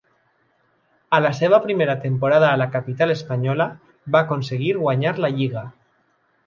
A la seva primera temporada a la capital espanyola va aconseguir guanyar la Lliga.